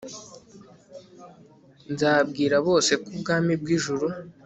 nzabwira bose ko ubwami bw'ijuru